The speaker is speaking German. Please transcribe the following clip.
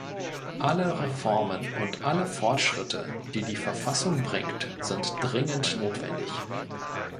Alle Reformen und alle Fortschritte, die die Verfassung bringt, sind dringend notwendig.